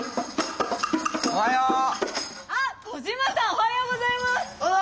おはようございます！